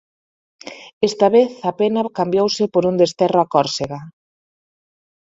Esta vez a pena cambiouse por un desterro a Córsega.